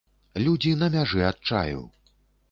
Людзі на мяжы адчаю!